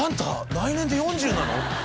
来年で４０なの？